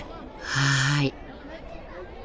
はい。